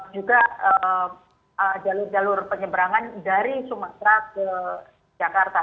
juga jalur jalur penyeberangan dari sumatera ke jakarta